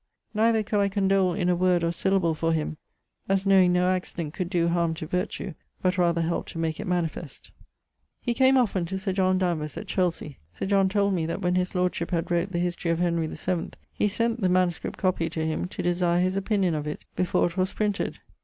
Neither could I condole in a word or syllable for him, as knowing no accident could doe harme to vertue but rather helpe to make it manifest. #/ He came often to Sir John Danvers at Chelsey. Sir John told me that when his lordship had wrote the History of Henry 7, he sent the manuscript copie to him to desire his opinion of it before 'twas printed.